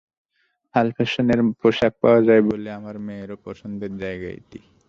হাল ফ্যাশনের পোশাক পাওয়া যায় বলে আমার মেয়েরও পছন্দের জায়গা এটি।